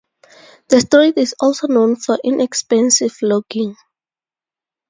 The street is also known for inexpensive lodging.